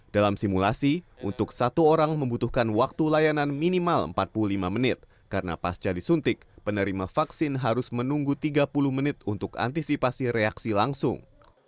dalam simulasi untuk satu orang membutuhkan waktu layanan minimal empat puluh lima menit karena pasca disuntik penerima vaksin harus menunggu tiga puluh menit untuk antisipasi reaksi langsung